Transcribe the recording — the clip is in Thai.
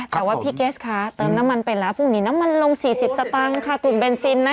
แต่ว่าพี่เกสคะเติมน้ำมันไปแล้วพรุ่งนี้น้ำมันลง๔๐สตางค์ค่ะกลุ่มเบนซินนะคะ